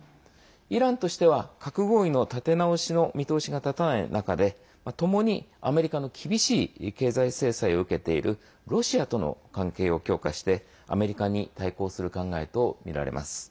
イランとしては核合意の立て直しの見通しが立たない中でともにアメリカの厳しい経済制裁を受けているロシアとの関係を強化してアメリカに対抗する考えとみられます。